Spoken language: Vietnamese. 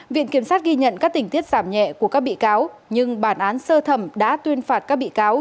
viện kiểm sát ghi nhận các tình tiết giảm nhẹ của các bị cáo nhưng bản án sơ thẩm đã tuyên phạt các bị cáo